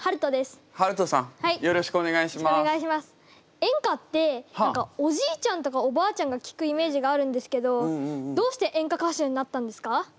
演歌っておじいちゃんとかおばあちゃんが聴くイメージがあるんですけどどうして演歌歌手になったんですか？